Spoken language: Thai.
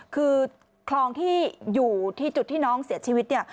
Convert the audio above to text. คือคลองที่อยู่ที่จุดที่น้องเสียชีวิตเนี่ย